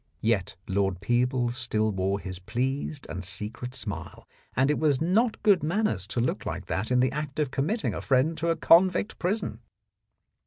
Yet Lord Peebles still wore his pleased and secret smile, and it was not good manners to look like that in the act of committing a friend to a convict prison.